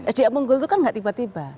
sdm unggul itu kan tidak tiba tiba